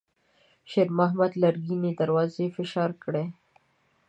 شېرمحمد لرګينې دروازې فشار کړې.